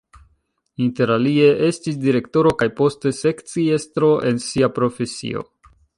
Interalie estis direktoro kaj poste sekciestro en sia profesio.